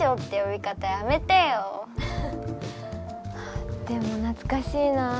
あでもなつかしいなあ。